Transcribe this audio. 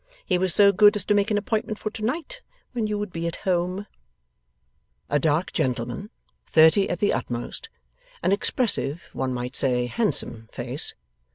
He was so good as to make an appointment for to night, when you would be at home.' A dark gentleman. Thirty at the utmost. An expressive, one might say handsome, face.